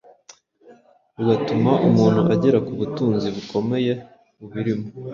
rugatuma umuntu agera ku butunzi bukomeye bubirimo.